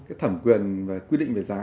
cái thẩm quyền và quy định về giá